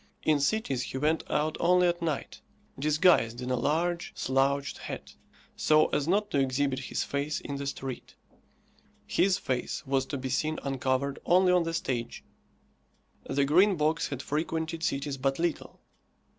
In cities he went out only at night, disguised in a large, slouched hat, so as not to exhibit his face in the street. His face was to be seen uncovered only on the stage. The Green Box had frequented cities but little.